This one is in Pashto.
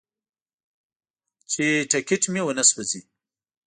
چې ټکټ مې ونه سوځوي.